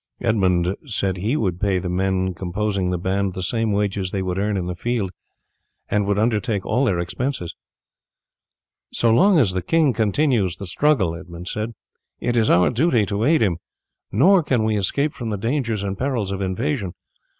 Edmund said he would pay the men composing the band the same wages they would earn in the field, and would undertake all their expenses. "So long as the king continues the struggle," he said, "it is our duty to aid him, nor can we escape from the dangers and perils of invasion.